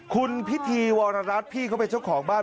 คุณพิธีวรรัฐพี่เขาเป็นเจ้าของบ้าน